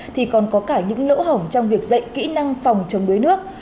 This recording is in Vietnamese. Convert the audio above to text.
thì còn có cả những lỗ hỏng trong việc dạy kỹ năng phòng chống đuối nước